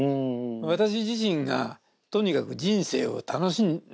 私自身がとにかく人生を楽しむ。